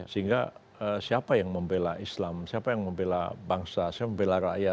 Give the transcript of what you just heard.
sehingga siapa yang membela islam siapa yang membela bangsa siapa membela rakyat